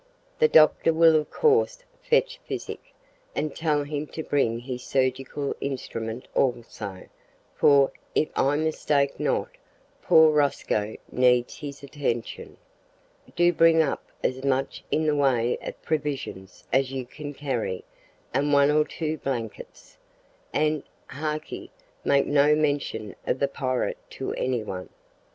The doctor will of course fetch physic; and tell him to bring his surgical instruments also, for, if I mistake not, poor Rosco needs his attention. Do you bring up as much in the way of provisions as you can carry, and one or two blankets. And, harkee, make no mention of the pirate to any one.